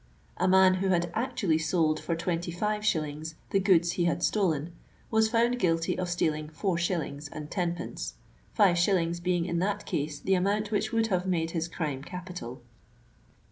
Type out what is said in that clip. A man who had actually sold for twenty five shillings the goods he had stolen, was found guilty of stealing four shillings and ten pence, five shillings being in that case the amount which would have made his crime capital.